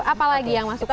apa lagi yang masukkan